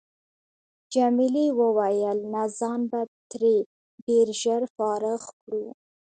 جميلې وويل: نه ځان به ترې ډېر ژر فارغ کړو.